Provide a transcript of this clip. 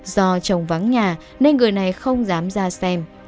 do chồng vắng nhà nên người này không dám ra xem